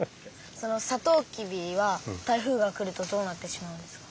そのさとうきびは台風が来るとどうなってしまうんですか？